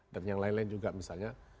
dan yang lain lain juga misalnya